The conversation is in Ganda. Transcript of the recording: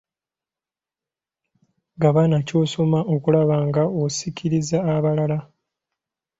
Gabana ky'osoma okulaba nga osikiriza abalala.